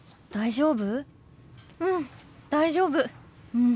うん。